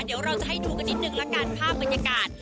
เดี๋ยวเราจะให้ดูกันนิดนึงละกันภาพบรรยากาศ